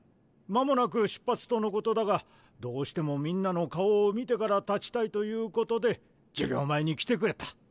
間もなく出発とのことだがどうしてもみんなの顔を見てからたちたいということで授業前に来てくれた。